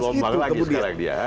bergelombang lagi sekarang dia